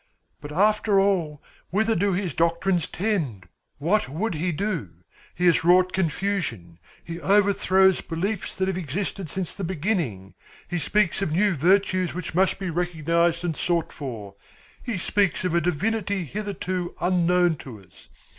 "But after all whither do his doctrines tend? What would he do? He has wrought confusion, he overthrows beliefs that have existed since the beginning, he speaks of new virtues which must be recognised and sought for, he speaks of a Divinity hitherto unknown to us.